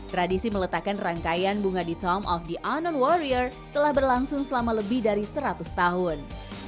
tradisi meletakkan rangkaian bunga di tom of the annow warrior telah berlangsung selama lebih dari seratus tahun